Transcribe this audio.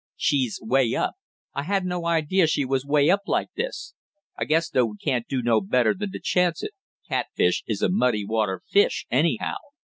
"She's way up. I had no idea she was way up like this; I guess though we can't do no better than to chance it, catfish is a muddy water fish, anyhow."